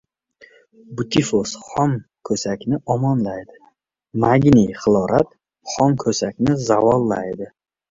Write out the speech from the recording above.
Butifos xom ko‘sakni omonlaydi, magniy xlorat xom ko‘sakni zavollaydi!